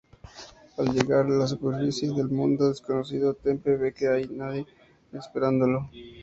Al llegar a la superficie del mundo desconocido, Tempe ve que nadie hay esperándolo.